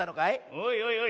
おいおいおい。